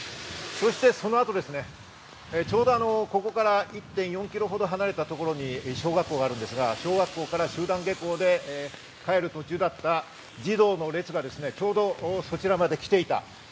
そのあと、ちょうどここから１．４ｋｍほど離れた所に小学校がありますが、集団下校で帰る途中だった児童の列が、ちょうどそちらまで来ていた。